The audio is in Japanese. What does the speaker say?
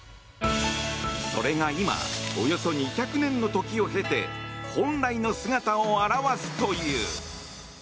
それが今およそ２００年の時を経て本来の姿を現すという。